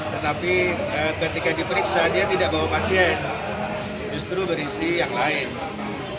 tetapi ketika diperiksa dia tidak bawa pasien justru berisi yang lain